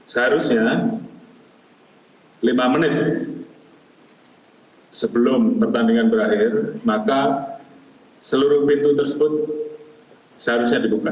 seharusnya lima menit sebelum pertandingan berakhir maka seluruh pintu tersebut seharusnya dibuka